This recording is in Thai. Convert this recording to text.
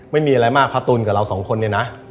ไม่มีอะไรมากพระตุลกับเราสองคนเนี่ยนะ